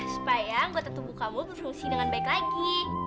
supaya anggota tubuh kamu berfungsi dengan baik lagi